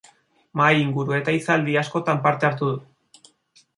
Mahai-inguru eta hitzaldi askotan parte hartu du.